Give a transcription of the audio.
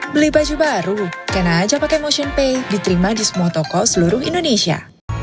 beli baju baru kena aja pake motionpay diterima di semua toko seluruh indonesia